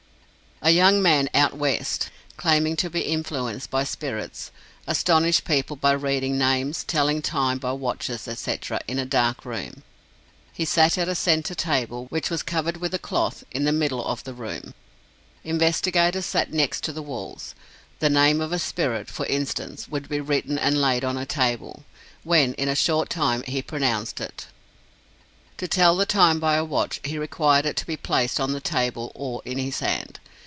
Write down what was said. A young man "out West," claiming to be influenced by spirits, astonished people by reading names, telling time by watches, etc., in a dark room. He sat at a centre table, which was covered with a cloth, in the middle of the room. Investigators sat next the walls. The name of a spirit, for instance, would be written and laid on a table, when in a short time he pronounced it. To tell the time by a watch, he required it to be placed on the table, or in his hand.